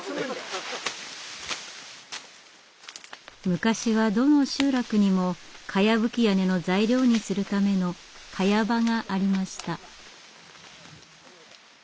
昔はどの集落にもかやぶき屋根の材料にするための萱場がありました。